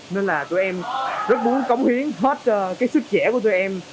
nên là tụi em rất muốn cống hiến hết cho cái sức trẻ của tụi em